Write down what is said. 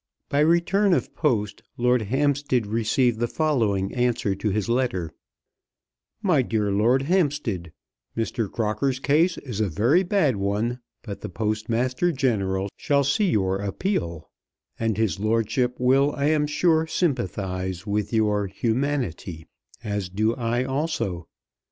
B. B." By return of post Lord Hampstead received the following answer to his letter; MY DEAR LORD HAMPSTEAD, Mr. Crocker's case is a very bad one; but the Postmaster General shall see your appeal, and his lordship will, I am sure, sympathize with your humanity as do I also.